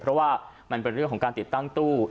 เพราะว่ามันเป็นเรื่องของการติดตั้งตู้